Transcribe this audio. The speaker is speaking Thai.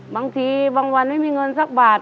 บางทีบางวันไม่มีเงินสักบาท